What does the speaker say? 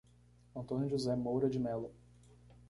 Antônio José Moura de Melo